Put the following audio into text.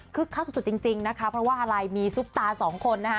คึกเข้าสุดจริงเพราะว่าอะไรมีซุปตา๒คน